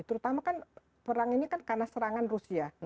terutama kan perang ini kan karena serangan rusia